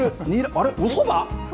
あれ、そば？